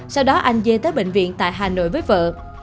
sau đó anh dê tới bệnh viện tại hà nội với vợ